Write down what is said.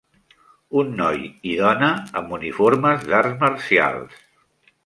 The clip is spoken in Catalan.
Un noi i dona amb uniformes d'arts marcials.